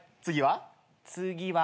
次は？